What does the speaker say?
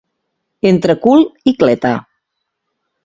Entre cul i cleta.